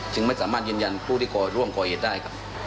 ไม่สามารถยืนยันผู้ที่ร่วมก่อเหตุได้ครับ